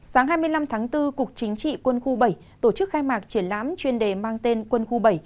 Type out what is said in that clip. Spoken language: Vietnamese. sáng hai mươi năm tháng bốn cục chính trị quân khu bảy tổ chức khai mạc triển lãm chuyên đề mang tên quân khu bảy